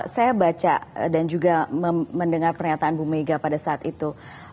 saya baca dan juga mendengar pernyataan bu mega pada saat itu